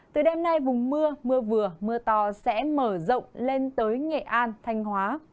từ đêm nay vùng mưa mưa vừa mưa to sẽ mở rộng lên tới nghệ an thanh hóa